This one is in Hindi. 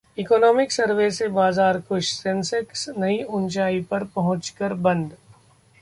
इकोनॉमिक सर्वे से बाजार खुश, सेंसेक्स नई ऊंचाई पर पहुंचकर बंद